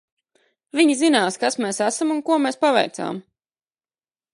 Viņi zinās, kas mēs esam un ko mēs paveicām.